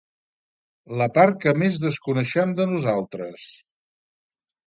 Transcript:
La part que més desconeixem de nosaltres.